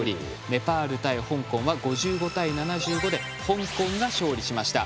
ネパール対香港は５５対７５で香港が勝利しました。